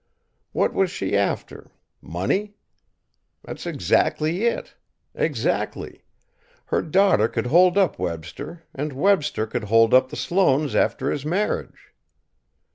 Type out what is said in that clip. What was she after, money? That's exactly it! Exactly! Her daughter could hold up Webster, and Webster could hold up the Sloanes after his marriage."